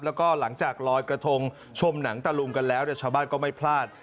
แล้วก็หลังจากลอยกระทงชมหนังตะลุงกันแล้วชาวบ้านก็ไม่พลาด